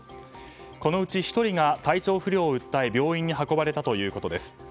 このうち１人が体調不良を訴え病院に運ばれたということです。